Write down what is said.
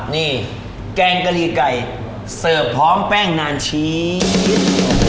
นี่แกงกะหรี่ไก่เสิร์ฟพร้อมแป้งนานชีด